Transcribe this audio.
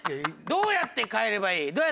どうやって帰ればいい？